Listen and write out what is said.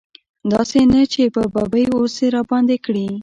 داسې نه چې په ببۍ اوس راباندې کړي.